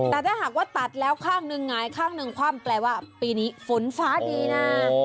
แต่ถ้าหากว่าตัดแล้วข้างหนึ่งหงายข้างหนึ่งคว่ำแปลว่าปีนี้ฝนฟ้าดีนะ